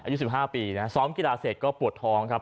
อายุ๑๕ปีนะซ้อมกีฬาเสร็จก็ปวดท้องครับ